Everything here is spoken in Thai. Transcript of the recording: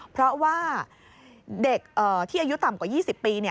เพราะว่าเด็กที่อายุต่ำกว่า๒๐ปี